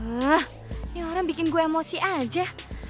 ah ini orang bikin gue emosi aja